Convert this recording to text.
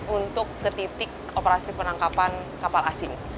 untuk ke titik operasi penangkapan kapal asing